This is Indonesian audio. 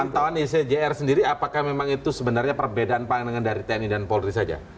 pantauan icjr sendiri apakah memang itu sebenarnya perbedaan pandangan dari tni dan polri saja